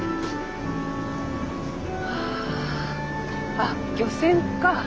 あ漁船か。